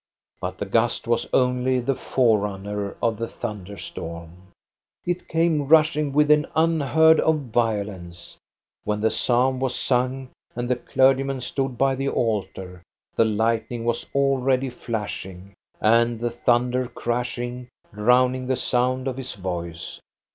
But the gust was only the forerunner of the thunder storm. It came rushing with an unheard of violence. When the psalm was sung, and the clergyman stood by the altar, the lightning was already flashing, and the thunder crashing, drowning the sound of his voice.